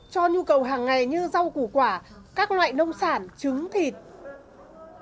cho nhu cầu hàng ngày như rau củ quả các loại nông sản trứng thịt